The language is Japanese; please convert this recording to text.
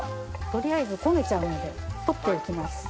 取りあえず焦げちゃうので取っておきます。